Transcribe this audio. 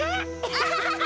アハハハ！